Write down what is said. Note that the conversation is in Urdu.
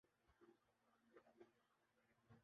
ان کی للکار تو اب بھی ویسے ہی ہے۔